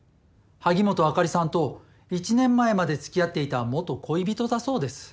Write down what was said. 萩本あかりさんと１年前まで付き合っていた元恋人だそうです。